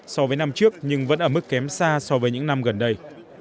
so với năm trước nhưng vẫn ở mức kém xa so với những năm gần đây